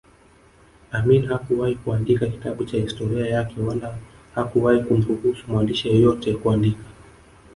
Amin hakuwahi kuandika kitabu cha historia yake wala hakuwahi kumruhusu mwandishi yeyote kuandika